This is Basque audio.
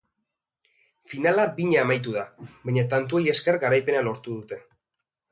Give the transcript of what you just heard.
Finala bina amaitu da baina tantuei esker garaipena lortu dute.